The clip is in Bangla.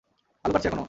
আলু কাটছি এখনও।